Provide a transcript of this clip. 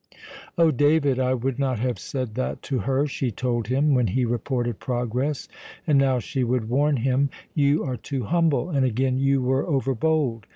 "Oh, David, I would not have said that to her!" she told him, when he reported progress; and now she would warn him, "You are too humble," and again, "You were over bold."